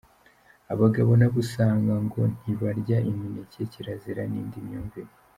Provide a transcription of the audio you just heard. Abagabo nabo usanga ngo ntibarya imineke kirazira n’indi myumvire.